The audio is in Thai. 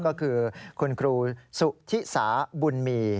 ก็คือคุณครูสุธิสาบุญมี